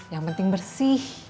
yang penting bersih